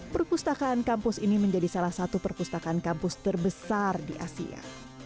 perpustakaan kampus ini menjadi salah satu perpustakaan kampus terbesar di asia